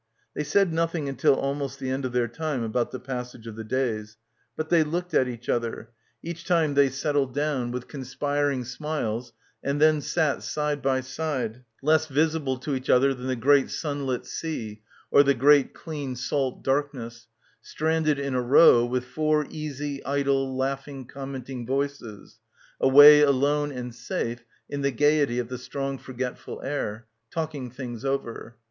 They said nothing until almost the end of their time about the passage of the days; but they — 246 — BACKWATER looked at each other, each time they settled down, with conspiring smiles and then sat, side by side, less visible to each other than the great sunlit sea or the great clean salt darkness, stranded in a row with four easy idle laughing commenting voices, away alone and safe in the gaiety of the strong forgetful air — talking things over.